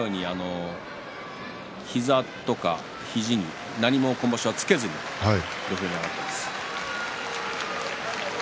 膝とか肘に何も今場所は着けずに土俵に上がっています。